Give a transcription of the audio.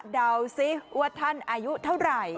ซิว่าท่านอายุเท่าไหร่